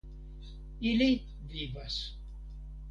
Ili vivas.